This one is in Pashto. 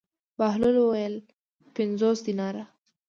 بهلول وویل: پنځوس دیناره.